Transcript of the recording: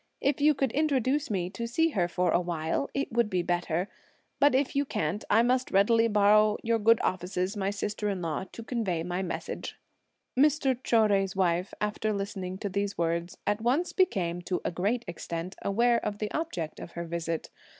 If you could introduce me to see her for a while, it would be better; but if you can't, I must readily borrow your good offices, my sister in law, to convey my message." Mr. Chou Jui's wife, after listening to these words, at once became to a great extent aware of the object of her visit.